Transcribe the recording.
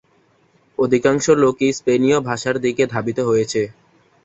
অধিকাংশ লোকই স্পেনীয় ভাষার দিকে ধাবিত হয়েছে।